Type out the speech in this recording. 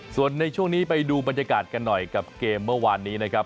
ส่วนในช่วงนี้ไปดูบรรยากาศกันหน่อยกับเกมเมื่อวานนี้นะครับ